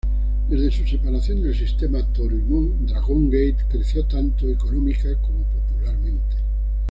Desde su separación del sistema Toryumon, Dragon Gate creció tanto económica como popularmente.